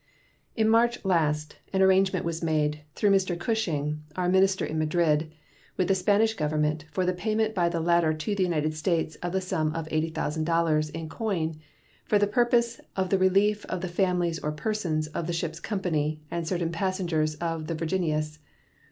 In March last an arrangement was made, through Mr. Cushing, our minister in Madrid, with the Spanish Government for the payment by the latter to the United States of the sum of $80,000 in coin, for the purpose of the relief of the families or persons of the ship's company and certain passengers of the Virginius.